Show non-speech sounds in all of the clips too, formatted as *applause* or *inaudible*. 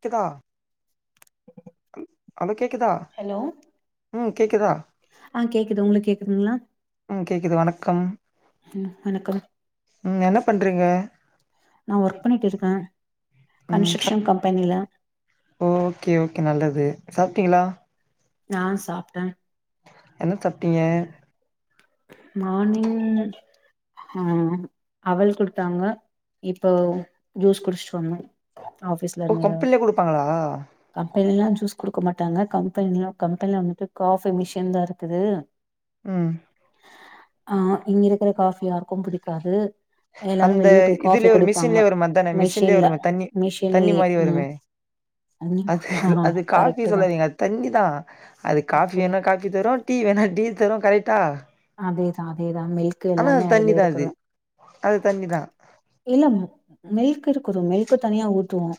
த்தக்கா அம் ஹலோ கேக்குதா ஹலோ உம் கேக்குதா ஆ கேக்குது உங்ளுக்கு கேக்குதுங்ளா ம் கேக்குது வணக்கம் ம் வணக்கம் ம் என்ன பண்றங்க நா ஒர்க் பண்ணிட்டு இருக்க ம் சாப் கன்ஸ்ட்ரக்ஷன் கம்பெனில ஓகே ஓகே நல்லது சாப்டீங்களா நா சாப்ட என்ன சாப்டீங்க மானிங் ஆ அவல் குடுத்தாங்க இப்போ ஜூஸ் குடிச்சிட்டு வந்தோ ஆஃபீஸ்ல ஓ இருந்தல கம்பெனிலே குடுப்பாங்களா அப்பெல்லா ஜூஸ் குடுக்க மாட்டாங்க கம்பெனிலா கம்பெனில வந்துட்டு காபி மிஷின் தா இருக்குது உம் ஆ இங்க இருக்கிற காஃபி யாருக்கு பிடிக்காது அந்த இதுலே ஒரு மிஷின்லே வரும அது தான மிஷின்லே மிஷின்ல வருமே தண்ணி தண்ணி மிஷின்லயே மாரி வருமே ம் அது ஆ அது காபி கரெக்ட் தா சொல்லாதீங்க அது தண்ணி தா அது காபி அப்டி வேணா கா பிக்கு தரோன் டீ வேணா டீ தரோ கரெட்டா அதேதா அதேதா மில்க் எல்லாமே அதுலே தா அது இருக்கனு அது தண்ணி தா இல்ல மில்க் இருக்குது மில்க்கு தனியா ஊத்துவோ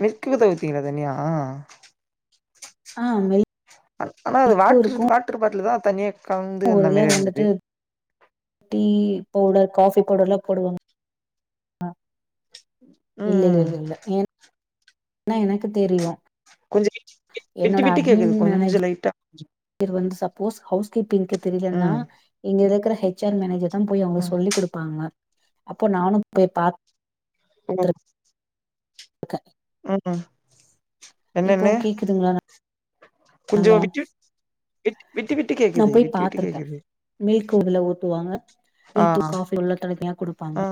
மில்க் வேத ஊத்துவுங்ளா தனியா ஆ மில் ஆனா அது வாட்ரு வாட்ரு பாட்டல் தான தனியே ஒரு இதுல வந்துட்டு டீ பவுடர் காபி பவுடர் எல்லா போடுவாங்க இல்ல இல்ல ம் இல்ல இல்ல ஏனா எனக்கு தெரியு கொஞ்சோ விட்டு விட்டு கேக்குது கொஞ்சோ லைட்டா பேரு வந்து சப்போஸ் ஹவுஸ் கீப்பிங்பிக்கு தெரியலனா ம் இங்க இருக்கிற ஹச் ஆர் மேனேஜர் தம் போய் அவங்க ம். சொல்லி் குடுப்பாங்க அப்போ நானு போய் பாத் அழகு க்க ஆ ஆ இப்போ கேக்குதுங்ளா கொஞ்சோ விட்டு விட் விட்டு விட்டு நா கேக்குது போய் விட்டு விட்டு பாத்துருக்க கேக்குது மில்க் உதுல ஊத்துவாங்க டீ ஆ தூள் காபி உள்ள தனித்தனியா குடுப்பாங்க ஆ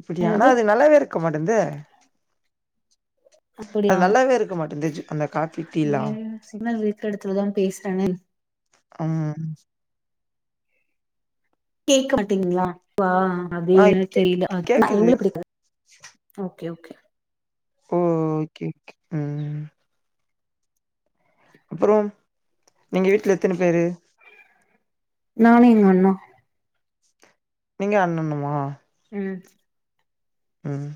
இப்டியா ஆனா என்னது அது நல்லாவே இருக்க மாட்டன்தே அது அப்படியா நல்லாவே இருக்க மாட்டந்தே அந்த காபி டீலா இங்க சிக்னல் இருக்க எடத்துலதா பேசுறேனே அம் அம் கேக்க மாட்டீங்ளா ஆ இப்ப கேக் கேக்குது அவங்களு பிடிக்காது ஓகே ஓகே ஓ ஓகே ஓகே ம் அப்பறோம் நீங்க வீட்ல எத்தன பேரு நானு எங்க அண்ணா நீங்க அண்ணனுமா ம் ம்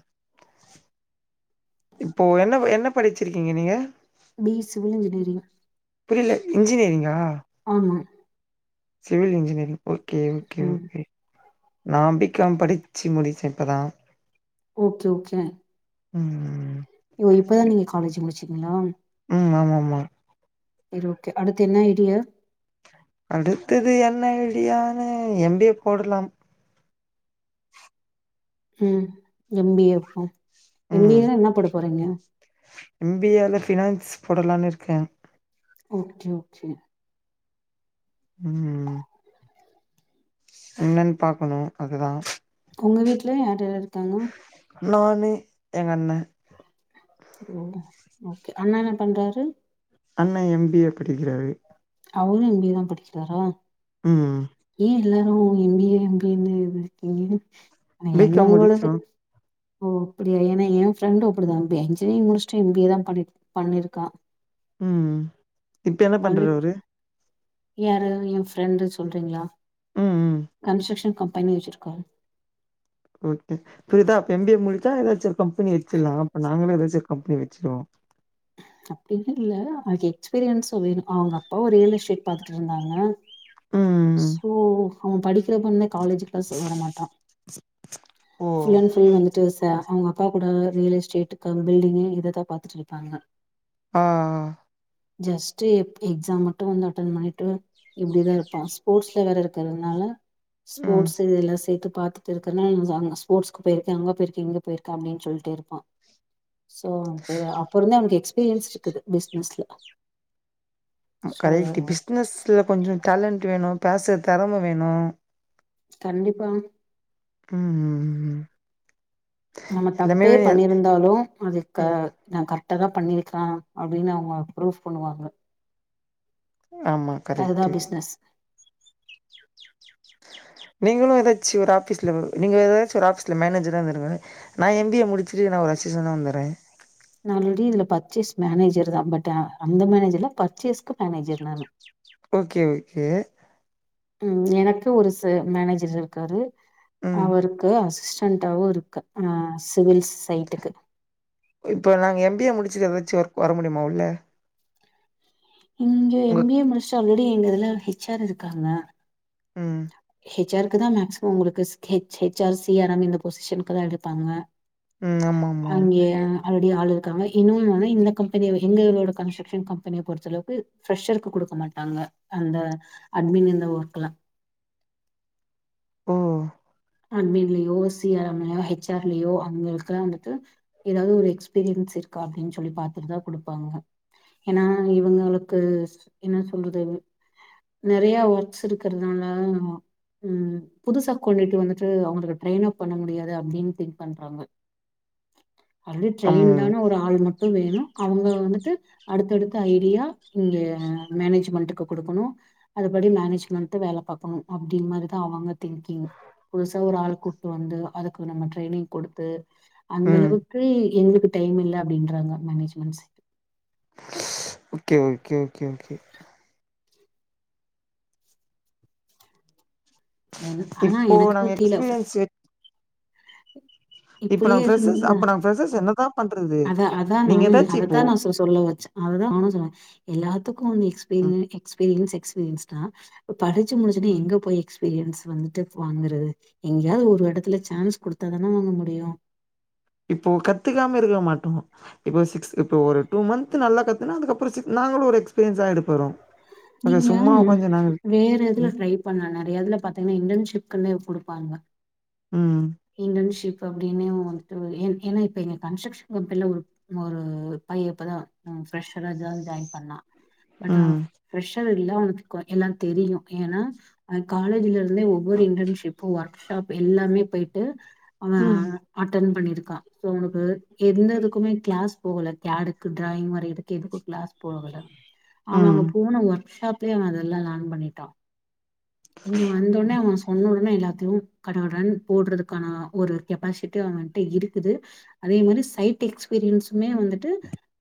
இப்போ என்ன என்ன படிச்சிருக்கீங்க நீங்க பி இ சிவில் இன்ஜினியரிங் புரில இன்ஜினியரிங் கா ஆமா சிவில் இன்ஜினியரிங் ஓகே ஓகே ம் ஓகே நா பி காம் படிச்சு முடிச்சே இப்ப தா ஓகே ஓகே ம் யோ இப்ப தா நீங்க காலேஜ் முடிச்சீங்களா ம் ஆமாமா செரி ஓகே அடுத்து என்ன ஐடியா அடுத்தது என்ன ஐடியான்னு எம் பி ஏ போடலாம் ம் எம் பி ஏ எப்போ எம் பி ம் ஏ ல என்ன போட போறீங்க எம் பி ஏ ல ஃபினன்ஸ் போடலான்னு இருக்க ஓகே ஓகே ம் என்னென் பாக்கணு அது தா உங்க வீட்ல யார் யார் இருக்காங்க நானு எங்க அண்ண ஓ ஓகே அண்ணா என்ன பண்றாரு அண்ண எம் பி ஏ படிக்கிறாரு அவரு எம் பி ஏ தா படிக்கிறாரா ம் ஏ எல்லாரு M B A M B A ன்னு இது இருக்கீங்க ஆனா பி காம் என்னவோலது முடிச்சோம் ஓ அப்டியா ஏனா ஏ ஃப்ரெண்ட்டு அப்பிடி தா டிப்ப என்ஜினீயரிங் முடிச்சிட்டு எம் பி ஏ தா பண்ணிட் பண்ணிருக்கா ம் இப்ப என்ன பண்ற அது அவரு யாரு எ ஃப்ரெண்ட்டு சொல்றீங்ளா ம் ம் கன்ஸ்ட்ரக்ஷன் கம்பெனி வெச்சிருக்கா ஓகே புரிதா அப்ப எம் பி ஏ முடிச்சா ஏதாச்சு ஒரு கம்பெனி வெச்சிரலா அப்ப நாங்களு ஏதாச்சு ஒரு கம்பெனி வெச்சுருவோ அப்டிலா இல்ல அதுக்கு எக்ஸ்பீரியன்ஸ்சு வேணு அவங்க அப்பாவு ரியல் எஸ்டேட் பாத்துட்ருந்தாங்க ம் சோ அவன் படிக்கறப்பந்தே காலேஜ் க்ளாஸ் வர மாட்டா ஓ ஃபுல் அண்ட் ஃபுல் வந்து து ச அவங்க அப்பா கூட ரியல் எஸ்டேட்டு க் பில்டிங்கு இத தா பாத்துட்டு இருப்பாங்க ஆ ஆ ஜஸ்ட்டு எப் எக்ஸாம் மட்டு வந்து அட்டென் பண்ணிட்டு இப்டி தா இருப்பா ஸ்போர்ட்ஸ்ல வேற இருக்கறதுனால ம் ஸ்போர்ட்ஸ்ஸு இதெல்லா சேத்து பாத்து து இருக்கறனால நா *unintelligible* அங்க ஸ்போர்ட்ஸ்க்கு போய்ருக்கே அங்க போய்ருக்கே இங்க போய்ருக்க அப்டின்னு சொல்ட்டே இருப்பா சோ அப்டி தா அப்ப இருந்தே அவனுக்கு எக்ஸ்பீரியன்ஸ் இருக்குது பிஸ்னஸ்ல கரெட்டு பிஸ்னஸ்ல கொஞ்சோ டேலண்டட் வேணு பேசுற தெறம வேணு கண்டிப்பா ம் ம் ம் நம்ம தப்பே எல் பண்ணிருந்தாலு அதுக்க ம். நா கரெக்ட்டா தா பண்ணிருக்க அப்டின்னு அவுங்க ப்ரூஃப் பண்ணுவாங்க ஆமா கரெக்ட்டு நஸ் நீங்களு எதாச்சு ஒரு ஆபீஸ்ல நீங்க எதாச்சு ஒரு ஆபீஸ்ல மேனேஜரா இருந்துடுங்க நா எம் பி ஏ முடிச்சுட்டு நா ஒரு அசிஸனா வந்தற நா ஆல்ரெடி இதுல பர்ச்சேஸ் மேனேஜர் தா பட் அந்த மேனேஜர் இல்ல பர்ச்சேஸ்க்கு மேனேஜர் நானு ஓகே ஓகே ம் எனக்கு ஒரு ச மேனேஜர் இருக்காரு ம். அவர் கு அசிஸ்டன்டாவு இருக்க அ சிவில் சைட்டுக்கு இப்ப நாங்க எம் பி ஏ முடிச்சுட்டு எதாச்சு ஒர்க் வர முடியுமா உள்ள இங்க உங்க எம் பி ஏ முடிச்சு ஆல்ரெடி எங்க இதுல ஹெச் ஆர் இருக்காங்க ம் ஹெச் ஆர்க்குதா மேக்சிமம் உங்களுக்கு H H R C R M இந்த பொசிஷனுக்கு தா எடுப்பாங்க ம். ஆமாமா. அங்கேயா ஆல்ரெடி ஆள் இருக்காங்க இன்னொனு ஒன் இந்த கம்பெனியவே எங்களோட கன்ஸ்ட்ரக்ஷன் கம்பெனிய பொறுத்தளவுக்கு ஃப்ரெஷருக்கு குடுக்க மாட்டாங்க அந்த அட்மின் இந்த ஒர்க்லா ஒ அட்மின்லயோ சி ஆர் எம் லயோ ஹெச் ஆர் லயோ அவுங்களுக்குலா வந்துட்டு எதாவது ஒரு எக்ஸ்பீரியன்ஸ் இருக்கா அப்டின் சொல்லி பாத்துட்டுதா குடுப்பாங்க ஏனா இவுங்களுக்கு என்ன சொல்றது நெறைய ஒர்க்ஸ் இருக்குறனால ம் புதுசா கொண்டுட்டு வந்து து அவுங்களுக்கு ட்ரெய்ன் அப் பண்ண முடியாது அப்டின் திங்க் பண்றாங்க ஆல்ரடி ஆமா. ட்ரெய்ண்டான ஒரு ஆள் மட்டு வேணு அவுங்க வந்துட்டு அடுத்தடுத்து ஐடியா இங்க மேனேஜ்மண்ட்டுக்கு குடுக்குணு அது படி மேனேஜ்மெண்ட்தா வேல பாக்கணு அப்டின் மாரிதா அவங்க திங்கிங் புதுசா ஒரு ஆள் கூட்டு வந்து அதுக்கு நம்ம ட்ரைனிங் குடுத்து ம். அந்தளவு கு எங்கள்க்கு டைம் இல்ல அப்டின்றாங்க மேனேஜ்மென்ட் ச ஓகே ஓகே ஓகே ஓகே என் ஆனா இப்போ எனக்கு நாங்க புத்தில எக்ஸ்பீரியன்ஸு இப்போ இப்டியே நாங்க ஃப்ரெஷர்ஸ் இருந்த அப்ப நாங்க ஃப்ரெஷர்ஸ் என்னதான் பண்றது? அதா அதா நீங்க நானு ஏதாச்சும் அததா நா இப்போ சொ சொல்ல வச்ச அதுதா நானு சொல்வ எல்லாத்துக்கு வந் எக்ஸ்பீரியன் எக்ஸ்பீரியன்ஸ் எக்ஸ்பீரியன்ஸ்னா படிச்சு முடிச்சுட்டு ம் எங்க போய் எக்ஸ் பீரியன்ஸ் வந்துட்டு வாங்கறது எங்கயாவது ஒரு எடத்துல சான்ஸ் குடுத்தா தான *unintelligible* டியு இப்போ கத்துக்காம இருக்கற மாட்டோ இப்போ சிக்ஸ் இப்போ ஒரு டூ மன்த் நல்லா கத்துனா அதுக்கப்றோ சிக் நாங்களு ஒரு எக்ஸ்பீரியன்ஸாகிட போறோ நீங்க யாரு வேறு இதுல ம் ட்ரை பண்லா நெறயா இதுல பாத்தீங்கனா இன்டர்ன்ஷிப்க்குனே குடுப்பாங்க ம் இன்டர்ன்ஷிப் அப்டின்னே வந்துட்டு ஏன் ஏனா இப்ப எங்க கன்ஸ்ட்ரக்ஷன் கம்பெனில ஒரு ஒரு பைய இப்பதா ம் ஃபெரஷ்ஷரா ஜ ஜாய்ன் பண்ணா அதா ம் ஃபிரஷருல்ல உனக்கு கொ எல்லா தெரியு ஏனா அ காலேஜ்ல ந்தே ஒவ்வொரு இன்டர்ன்ஷிப் ஒர்க்ஷாப் எல்லாமே போய்ட்டு ஆ ம் அட்டன் பண்ணிருக்கா சோ உனக்கு எந்ததுக்குமே கிளாஸ் போகல கேருக்கு டிராயிங் வரையிரக்கு எதுக்கு கிளாஸ் போகல அவன் ம் அங்க போன ஒர்க்ஷாப்லயே அவ அதெல்லா லேர்ன் பண்ணிட்டா இங்க வந்தோட்னே அவ சொன் ன்ன எல்லாத்யு கட கடனு போட்றதுக்கான ஒரு கெப்பாசிட் அவன்ட்ட இருக்குது அதே மாரி சைட் எக்ஸ்பீரியன்ஸ்மே வந்துட்டு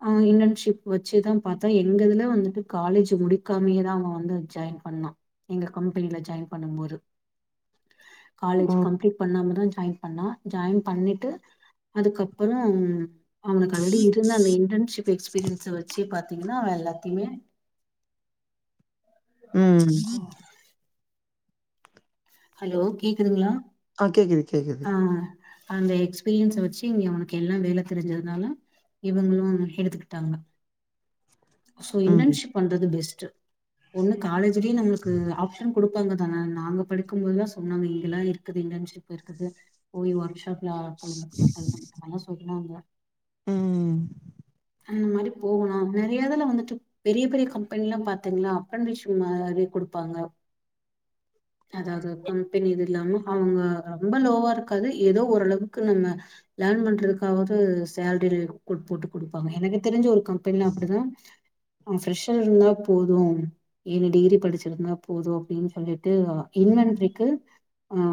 அவ இன்டர்ன்ஷிப் வச்சுதா பாத்தா எங்கதுல வந்துட்டு காலேஜ் முடிக்காமயேதா அவ வந்து ஜாய்ன் பண்ணா கம்பெனில ஜாய்ன் பண்ணும்போது காலேஜ் ஓ கம்ப்ளி பண்ணாமதா ஜாய்ன் பண்ணா ஜாய்ன் பண்ணிட்டு அதுக்கப்பறோம் அவனுக்கு ஆல்ரெடி இருந்த அந்த இன்டர்ன்ஷிப் எக்ஸ்பீரியன்ஸ வச்சே பாத்தீங்ன்னா அவ எல்லாத்தியுமே ம் ஓ ஹலோ கேக்குதுங்ளா ஆ கேக்குது கேக்குது ஆ அந்த எக்ஸ்பீரியன்ஸ வச்சு இங்க அவனுக்கு எல்லா வேல தெரிஞ்சத்துனால இவுங்ளும் எடுத்துக்கிட்டாங்க சோ ம் இன்டர்ன்ஷிப் பண்றது பெஸ்ட் ஒன்னு காலேஜ்லியே நம்ளுக்கு ஆப்ஷன் கொடுப்பாங்க தான நாங்க படிக்கும்போதுதா சொன்னாங்க இங்கெல்லா இரு கது இன்டன்ஷிப்ல இருக்கது போய் ஒர்க்ஷாப்லா கலந்துகலா கலந்துகிட்டவங்கலா சொல்றாங்க ம் அந்த மாதிரி போகலாம் நிறையதுல வந்துட்டு பெரிய பெரிய கம்பென் ல்லாம் பாத்தீங்களா அப்பன்ட் டிஸ்சு மாத்ரி கொடுப்பாங்க அதாவது கம்பெனி இது இல்லாம அவுங்க ரொம்ப லோவா இருக்காது ஏதோ ஓரளவுக்கு நம்ம லேன் பண்றதுக்காவது சேல்ரி போட்டு கொடுப்பாங்க எனக்கு தெரிஞ்சி ஒரு கம்பெனில அப்படிதா அவன் ஃப்ரெஷ்ஷா இருந்தா போது ஏனி டிகிரி படிச்சிருந்தா போது அப்டின் சொல்லிட்டு இன்வென்ரிக்கு அ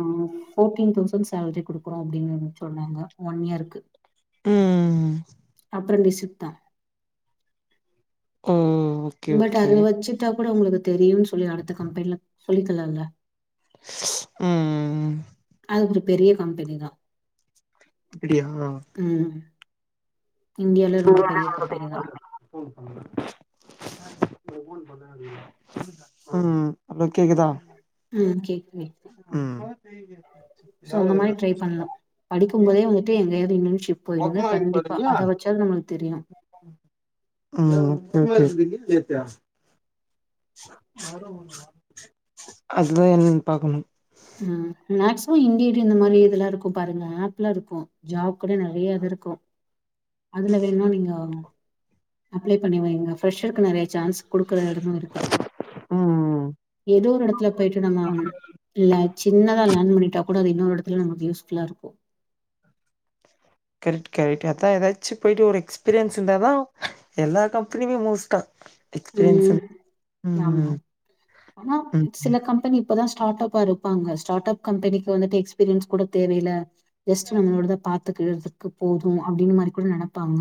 ஃபோர்டீன் தொவ்சண்ட் சேல்ரி கொடுக்குறோ அப்படின்னு சொன்னாங்க ஒன் இயருக்கு ம் அப்பரண்டிஷ்ஷிதா ம் பட் அத வச்சுட்டா கூட உங்களுக்கு தெரியுன்னு சொல்லி அடுத்த கம்பென்ல சொல்லிக்கலாம்ல்ல ம் அது ஒரு பெரிய கம்பெனி தா அப்பிடியா ம் இந்தியாலே ரொம்ப பெரிய கம்பெனி தா *unintelligible* ம் ஹலோ கேக்குதா ம் கேக்கு ம் சோ அந்த மாரி ட்ரை பண்லா படிக்கும் போதே வந்துட்டு எங்கயாவது இண்டர்ன்ஷிப் போயிடுங்க கண்டிப்பா அத வெச்சாவது நம்ளுக்கு தெரியு ம் சேரி அதுதான் என்ன பாக்கணு ம் மேக்சிமம் இண்டிட்டி இந்த மாரி இதுல இருக்கும் பாருங்க ஆப்ல இருக்கு ஜாப் கூட நெறைய இது இருக்கு அதுல வேணுன நீங்கோ அப்ளை பண்ணி வைங்க ப்ரெஷருக்கு நெறைய சான்ஸ் குடுக்கற எடமு இருக்குது ம் ஏதோ ஒரு எடத்துல போயிட்டு நம்ம இல்ல சின்னத லேன் பண்ணிட்டா கூட அது இன்னொரு எடத்துல நமக்கு யூஸ்புல்லா இருக்கு கரெக்ட் கரெட் அதா ஏதாச்சு போயிட்டு ஒரு எக்ஸ்பீரியன்ஸ் இந்தாதா எல்லா கம்பெனியுமே மோஸ்ட்டா எக்ஸ்பீரியன்ஸ் ம் ஆமா ம் ஆனா ம் சில கம்பெனி இப்பதா ஸ்டார்டாப்பா இருப்பாங்க ஸ்டார்ட்டப் கம்பெனிக்கு வந்துட்டு எக்ஸ்பீரியன்ஸ் கூட தேவயில்ல ஜஸ்ட் நம்மளோடதா பாத்துக்கறதுக்கு போது அப்புடின்ன மாரி கூட நெனப்பாங்க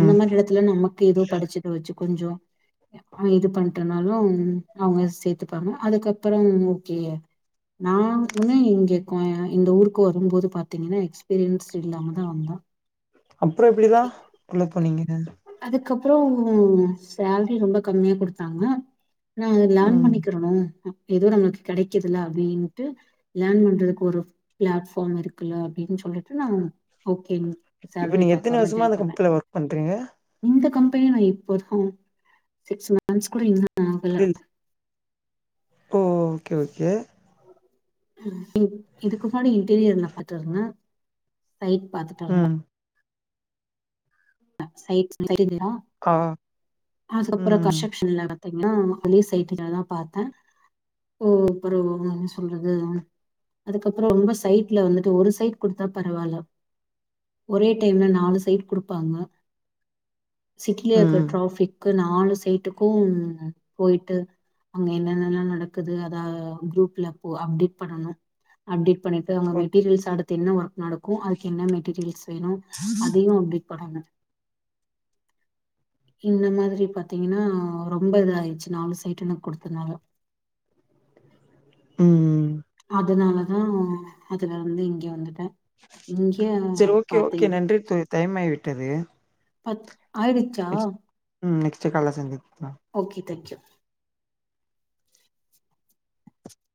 அந்த மாரி எடத்துல நமக்கு ஏதோ படிச்சுக்கற வெச்சு கொஞ்சோ அங்க இது பண்டானாலும் அவங்க சேத்துப்பாங்க அதுக்கப்பறோம் ஓகே நான் உன்ன இங்க கோ அ இந்த ஊருக்கு வரும்போது பாத்தீங்கன்னா எக்ஸ்பீரியன்ஸ் இல்லாமதா வந்தோ அப்புற எப்டிதா உள்ள போனீங்க அதுக்கப்புறோ சேல்ரி ரொம்ப கம்மியா குடுத்தாங்க நா அது லேர்ன் ம் பண்ணிக்கிறனு ஏதோ நமக்கு கெடைக்குதுல அப்டின்ட்டு லேர்ன் பண்றதுக்கு ஒரு பிளாட்ஃபார்ம் இருக்குல்ல அப்டின் சொல்லி ட்டு நாங் ஓகேங் இப்ப சேல்ரிப் நீங்க எத்தன வருஷமா அந்த கம்பெனில ஒர்க் பண்றீங்க இந்த கம்பெனி நா இப்பதா சிக்ஸ் மந்த்ஸ் கூட இல்ல செரி ஓ ஓகே ஓகே அ இப் இதுக்கு முன்னாடி இன்டீரியர் நா பாத்துனுருந்த சைட் பாத்து ம் சைட் தெரி *unintelligible* கா அதுக்கப்ற கஸ்ன்ட்ரக்ஷன்ல பாத்தீங்ன்னா ஒன்லி சைட்ல *unintelligible* பாத்த ஓ ஒரு நா என்ன‌ சொல்றது அதுக்கப்றோ ரொம்ப சைட்ல வந்துட்டு ஒரு சைட் குடுத்தா பரவால்ல ஒரே டைம்ல நாலு சைட் குடுப்பாங்க சிட்டில இருக்கற ம் டிராபிக் க்கு நாலு சைட்டுக்கு போய்ட்டு அங்க என்னென்னல்லா நடக்குது அத க்ரூப்ல அப்போ அப்டேட் பண்ணனு அப்டேட் பண்ணிட்டு அவங்க ஓக் மெட்டீரியல்ஸ் அடுத் து என்ன ஒர்க் நடக்கு அதுக்கு என்ன மெட்டீரியல்ஸ் வேணு அதயு அப்டேட் பண்ணனு இந்த மாதி ரி பாத்தீங்கன்னா ரொம்ப இத ஆயிச்சு நாலு சைட்டெனக்கு குடுத்தனால ம்ம் அதனாலதா அதுல இருந்து இங்கே வந்துட்டே இங்யே சரி ஓகே ஓகே பாத்தீங் நன்றி தோழி டைம் ஆகிவிட்டது பத் ஆய்டுச்சா நெக்ஸ்ட் ம் நெக்ஸ்ட் கால்ல சந்திப்போங்க ஓகே தேக் யூ